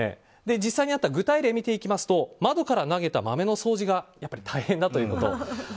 実際にあった具体例を見ていきますと窓から投げた豆の掃除が大変だということ。